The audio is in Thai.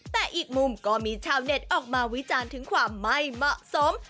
แต่อีกมุมก็มีชาวเน็ตออกมาวิจารณ์ถึงความไม่เหมาะสม